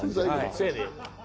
せやで。